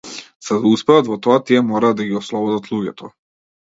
За да успеат во тоа тие мораат да ги ослободат луѓето.